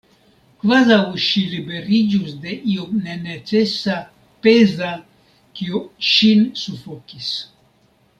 Kvazaŭ ŝi liberiĝus de io nenecesa, peza, kio ŝin sufokis.